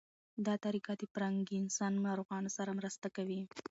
دا طریقه د پارکینسن ناروغانو سره مرسته کوي.